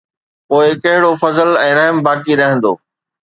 پوءِ ڪهڙو فضل ۽ رحم باقي رهندو؟